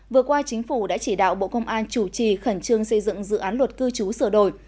vừa qua chính phủ đã chỉ đạo bộ công an chủ trì khẩn trương xây dựng dự án luật cư trú sửa đổi